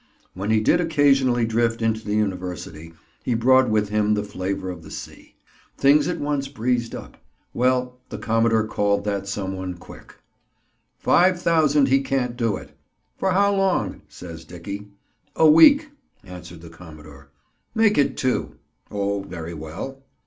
When he did occasionally drift into the University, he brought with him the flavor of the sea. Things at once breezed up. Well, the commodore called that some one quick. "Five thousand he can't do it." "For how long?" says Dickie. "A week," answered the commodore. "Make it two." "Oh, very well."